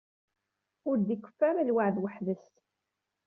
Ur d-ikeffu ara lweɛd weḥd-s.